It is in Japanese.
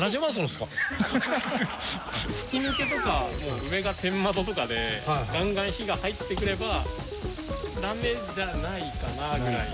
吹き抜けとか上が天窓とかでガンガン日が入ってくればダメじゃないかなぐらい。